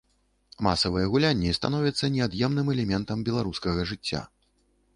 Масавыя гулянні становяцца неад'емным элементам беларускага жыцця.